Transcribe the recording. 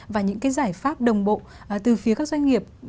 và những cái giải pháp đồng bộ từ phía các doanh nghiệp